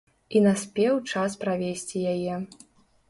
І наспеў час правесці яе.